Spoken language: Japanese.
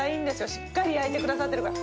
しっかり焼いてくださってるから。